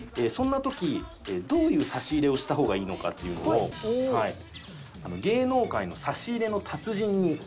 そんな時どういう差し入れをした方がいいのかっていうのを芸能界の差し入れの達人に。